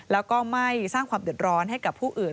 แล้วก็ไม่สร้างความเดือดร้อนให้กับผู้อื่น